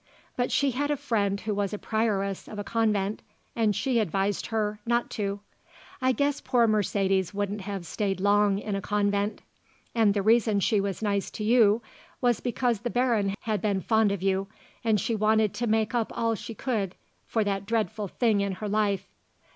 But she had a friend who was a prioress of a convent, and she advised her not to. I guess poor Mercedes wouldn't have stayed long in a convent. And the reason she was nice to you was because the Baron had been fond of you and she wanted to make up all she could for that dreadful thing in her life.